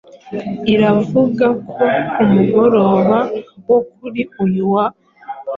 iravuga ko ku mugoroba wo kuri uyu wa